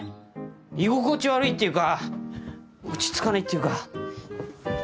居心地悪いっていうか落ち着かないっていうか。